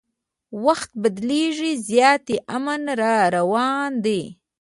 وخت بدلیږي زیاتي امن راروان دي